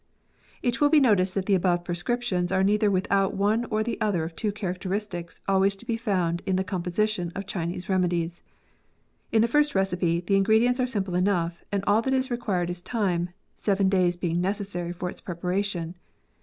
It will be noticed that the above prescriptions are neither without one or other of two characteristics always to be found in the composition of Chinese remedies. In the first recipe, the ingredients are simple enough, and all that is required is time, seven days being necessary for its preparation.